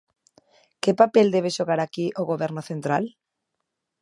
Que papel debe xogar aquí o Goberno central?